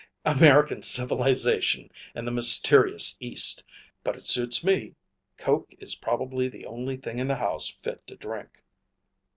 "American civilization and the mysterious East. But it suits me. Coke is probably the only thing in the house fit to drink."